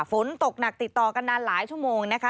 ฝนตกหนักติดต่อกันนานหลายชั่วโมงนะคะ